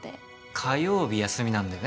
火曜日休みなんだよね？